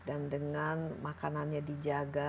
dan dengan makanannya dijaga